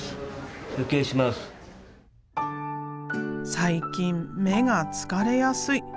最近目が疲れやすい。